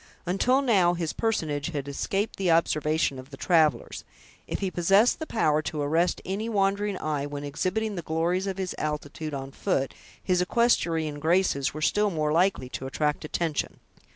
Until now this personage had escaped the observation of the travelers. If he possessed the power to arrest any wandering eye when exhibiting the glories of his altitude on foot, his equestrian graces were still more likely to attract attention.